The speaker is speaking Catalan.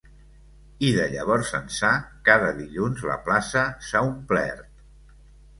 I de llavors ençà, cada dilluns la plaça s’ha omplert.